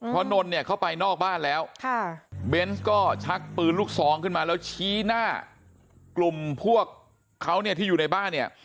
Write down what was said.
เพราะนนท์เนี่ยเข้าไปนอกบ้านแล้วเบนส์ก็ชักปืนลูกซองขึ้นมาแล้วชี้หน้ากลุ่มพวกเขาเนี่ยที่อยู่ในบ้านเนี่ย